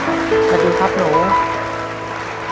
สวัสดีครับหนู